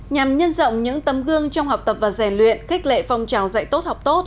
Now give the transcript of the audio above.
nhằm nhân rộng những tấm gương trong học tập và rèn luyện khích lệ phong trào dạy tốt học tốt